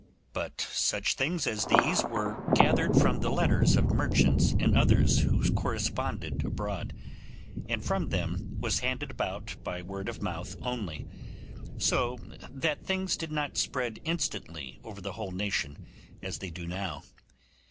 But such things as these were gathered from the letters of merchants and others who corresponded abroad, and from them was handed about by word of mouth only; so that things did not spread instantly over the whole nation, as they do now.